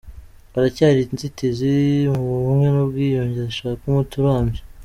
Haracyari inzitizi mu Bumwe n’Ubwiyunge zishaka umuti urambye